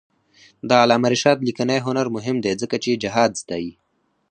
د علامه رشاد لیکنی هنر مهم دی ځکه چې جهاد ستايي.